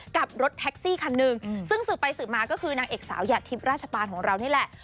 กับรถแท็กซี่คันหนึ่งซึ่งสืบไปสืบมาก็คือนางเอกสาวหยาดทิพย์ราชปานของเรานี่แหละ